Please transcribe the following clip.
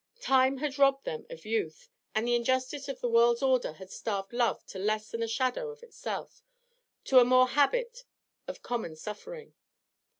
Time had robbed them of youth, and the injustice of the world's order had starved love to less than a shadow of itself, to a more habit of common suffering.